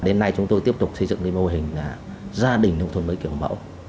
đến nay chúng tôi tiếp tục xây dựng cái mô hình gia đình nông thôn mới kiểu mẫu